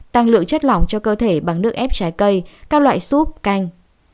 tăng lượng chất lỏng cho cơ thể bằng nước ép trái cây các loại súp canh